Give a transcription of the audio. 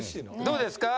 どうですか？